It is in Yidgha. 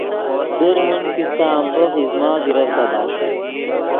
در من کیستہ امبوخ ایزمہ بیرڤدا بݰ